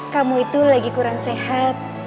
kamu itu lagi kurang sehat